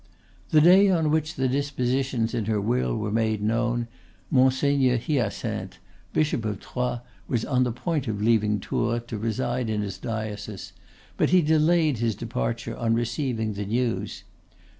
The day on which the dispositions in her will were made known Monseigneur Hyacinthe, Bishop of Troyes, was on the point of leaving Tours to reside in his diocese, but he delayed his departure on receiving the news.